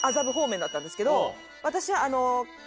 私は。